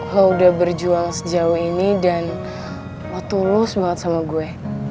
lo udah berjuang sejauh ini dan lo tulus banget sama gue